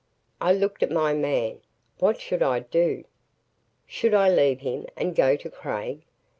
I looked at my man. What should I do? Should I leave him and go to Craig?